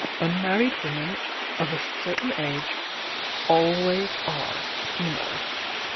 "Unmarried women of a certain age always are, you knew.